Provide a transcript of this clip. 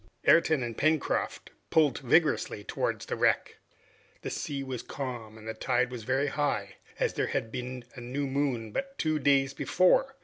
Ayrton and Pencroft pulled vigorously towards the wreck. The sea was calm and the tide very high, as there had been a new moon but two days before.